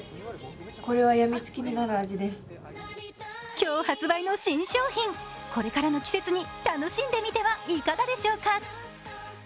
今日発売の新商品、これからの季節に楽しんでみてはいかがでしょうか？